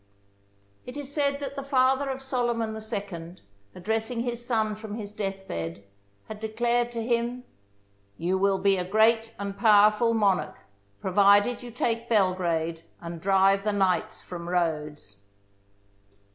It is said that the father of Solyman II, address ing his son from his death bed, had declared to him :" You will be a great and powerful monarch, pro vided you take Belgrade and drive the knights from Rhodes."